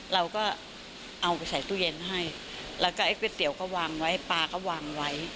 เราก็เอาไปใส่ตู้เย็นให้แล้วก็ไอ้ก๋วยเตี๋ยวก็วางไว้ปลาก็วางไว้